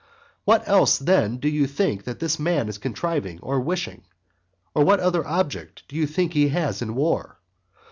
What else then do you think that this man is contriving or wishing, or what other object do you think he has in the war?